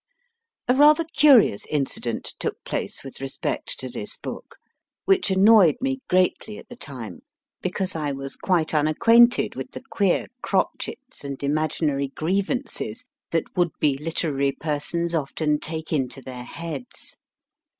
A rather curious incident took place with respect to this book, which annoyed me greatly at the time, because I was quite unacquainted with the queer crotchets and imaginary grievances that would be literary persons often take into their heads.